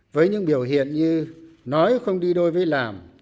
với những biểu hiện như nói không đi đôi với làm